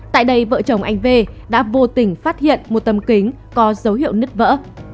tại đây vợ chồng anh v đã vô tình phát hiện một tâm kính có dấu hiệu nứt vỡ